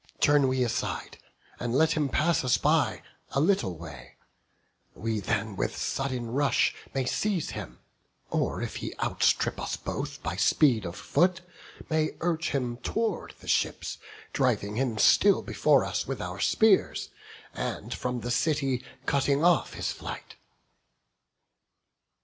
Turn we aside, and let him pass us by A little way; we then with sudden rush May seize him; or if he outstrip us both By speed of foot, may urge him tow'rd the ships, Driving him still before us with our spears, And from, the city cutting off his flight."